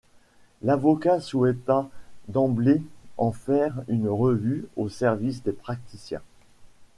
L’avocat souhaita d’emblée en faire une revue au service des praticiens.